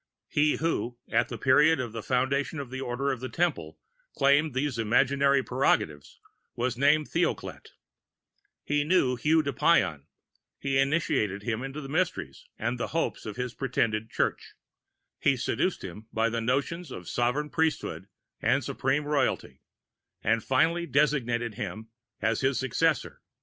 He who, at the period of the foundation of the Order of the Temple, claimed these imaginary prerogatives, was named THEOCLET; he knew HUGUES DE PAYENS, he initiated him into the Mysteries and hopes of his pretended church, he seduced him by the notions of Sovereign Priesthood and Supreme royalty, and finally designated him as his successor.